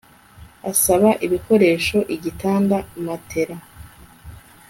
asaba ibikoresho igitanda matelas